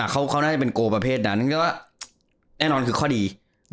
เขาน่าจะเป็นโกประเภทนั้นก็แน่นอนคือข้อดี